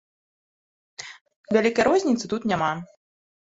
Вялікай розніцы тут няма.